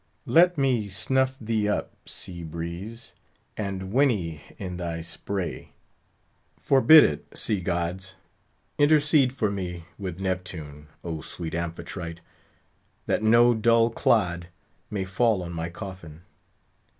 Let me snuff thee up, sea breeze! and whinny in thy spray. Forbid it, sea gods! intercede for me with Neptune, O sweet Amphitrite, that no dull clod may fall on my coffin!